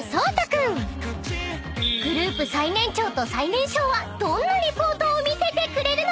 ［グループ最年長と最年少はどんなリポートを見せてくれるのか？］